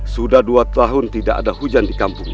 sudah dua tahun tidak ada hujan di kampung